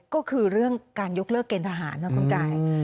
ก็คือเรื่องการยกเลือกเกลียดทหารนะครับคุณกาย